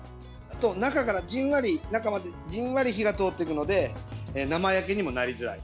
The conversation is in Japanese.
中からじんわり、中までじんわり火が通っていくので生焼けにもなりづらい。